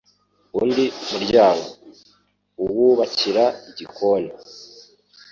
undi muryango awubakira igikoni